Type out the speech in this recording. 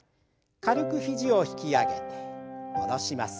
軽く肘を引き上げて下ろします。